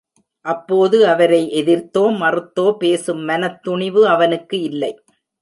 அப்போது அவரை எதிர்த்தோ மறுத்தோ பேசும் மனத் துணிவு அவனுக்கு இல்லை.